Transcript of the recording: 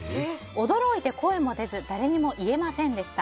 驚いて声も出ず誰にも言えませんでした。